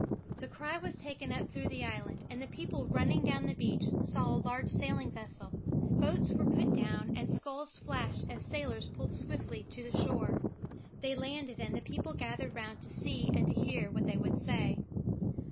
The cry was taken up through the island, and the people running down the beach saw a large sailing vessel. Boats put down and sculls flashed as sailors pulled swiftly to the shore. They landed and the people gathered round to see and to hear what they would say.